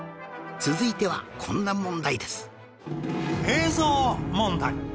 続いてはこんな問題です